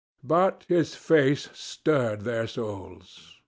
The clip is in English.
But his voice stirred their souls.